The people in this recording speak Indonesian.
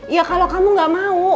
ya kalau kamu gak mau